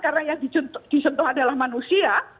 karena yang disentuh adalah manusia